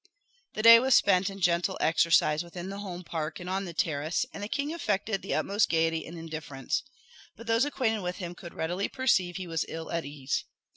The day was spent in gentle exercise within the home park and on the terrace, and the king affected the utmost gaiety and indifference; but those acquainted with him could readily perceive he was ill at ease.